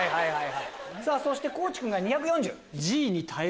そして地君が２４０。